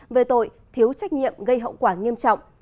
về tội thiếu trách nhiệm gây hậu quả nghiêm trọng